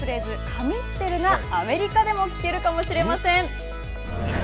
神ってるがアメリカでも聞けるかもしれません。